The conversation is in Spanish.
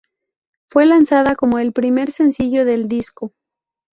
Fue lanzada como el primer sencillo del disco.